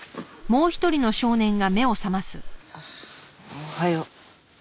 おはよう。